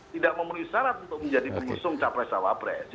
tidak memenuhi syarat untuk menjadi pengusung capres dan capapres